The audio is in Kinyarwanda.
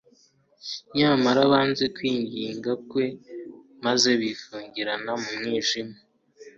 nyamara banze kwinginga Kwe maze bifungiranira mu mwijima.